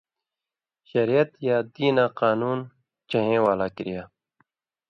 شریعت یا دِیناں قانون ڇِہېں والاں کریا،